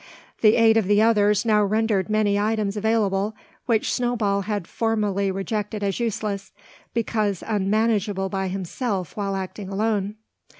The aid of the others now rendered many items available which Snowball had formerly rejected as useless, because unmanageable by himself while acting alone.